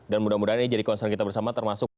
dan mudah mudahan ini jadi concern kita bersama termasuk